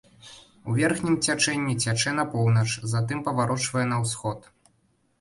У верхнім цячэнні цячэ на поўнач, затым паварочвае на ўсход.